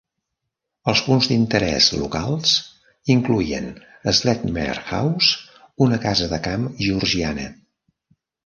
Els punts d'interès locals incloïen Sledmere House, una casa de camp georgiana.